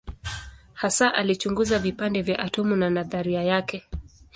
Hasa alichunguza vipande vya atomu na nadharia yake.